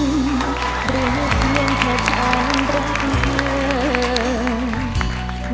เรียกเหมือนพระชาญรักเธอ